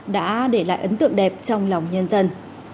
đã để lại ấn tượng đẹp trong lòng nhân dân